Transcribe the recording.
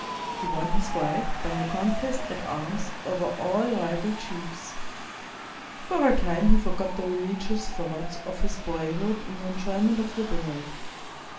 He won his wife by a contest at arms over all rival chiefs. For a time he forgot the religious thoughts of his boy hood in the enjoyment of the world.